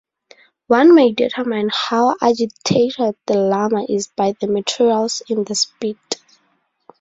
One may determine how agitated the llama is by the materials in the spit.